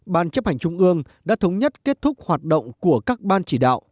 ban chấp hành trung ương đã thống nhất kết thúc hoạt động của các ban chỉ đạo